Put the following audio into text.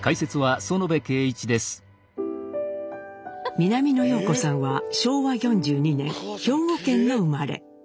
南野陽子さんは昭和４２年兵庫県の生まれ。